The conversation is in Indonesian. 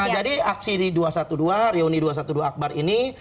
jadi aksi di dua ratus dua belas riuni dua ratus dua belas akbar ini